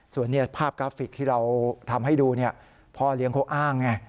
ส่วนภาพกราฟิกที่เราทำให้ดูพ่อเลี้ยงเขาอ้างไง